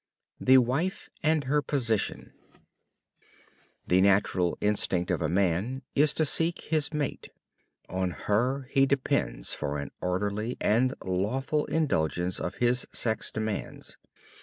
THE WIFE AND HER POSITION The natural instinct of a man is to seek his mate. On her he depends for an orderly and lawful indulgence of his sex demands.